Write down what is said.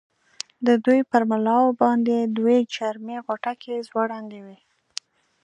د دوی پر ملاو باندې دوې چرمي غوټکۍ ځوړندې وې.